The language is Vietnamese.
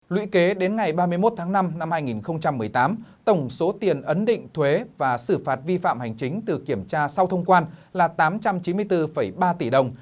lũy kế đến ngày ba mươi một tháng năm năm hai nghìn một mươi tám tổng số tiền ấn định thuế và xử phạt vi phạm hành chính từ kiểm tra sau thông quan là tám trăm chín mươi bốn ba tỷ đồng